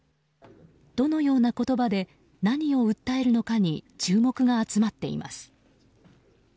どのような言葉で何を訴えるのかに注目が集まっています。